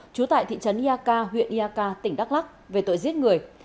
chú tại thị trấn iaka huyện iaka tỉnh đắk lắc về tội giết người